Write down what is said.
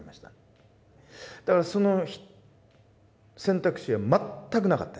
だからその選択肢は全くなかったです。